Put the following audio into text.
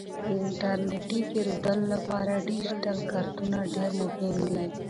د انټرنیټي پیرودلو لپاره ډیجیټل کارتونه ډیر مهم دي.